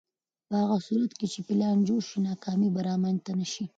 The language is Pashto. په هغه صورت کې چې پلان جوړ شي، ناکامي به رامنځته نه شي.